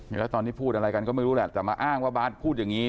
แล้วตอนนี้พูดอะไรกันก็ไม่รู้แหละแต่มาอ้างว่าบาทพูดอย่างนี้